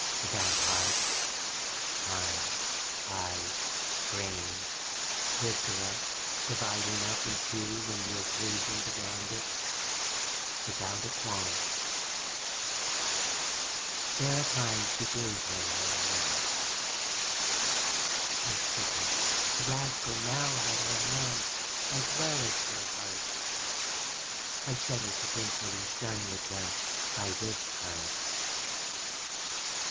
Without heart, arms, eyes, brains, viscera, dividing up in two when the occasion demanded. Without a qualm. ... thereupon she gave him her hand. I sickened. The rascal now had her hand, as well as her heart. I shudder to think what he's done with them, by this time.